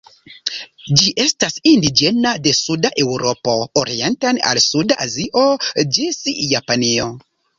Ĝi estas indiĝena de suda Eŭropo orienten al suda Azio ĝis Japanio.